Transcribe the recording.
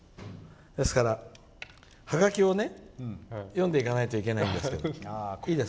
ですから、ハガキを読んでいかないといけないんですけど。